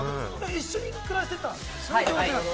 一緒に暮らしてた？